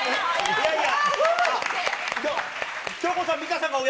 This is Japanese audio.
いやいや。